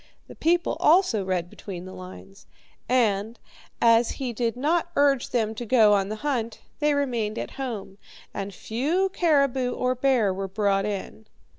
The people also read between the lines, and, as he did not urge them to go on the hunt, they remained at home, and few caribou or bear were brought in.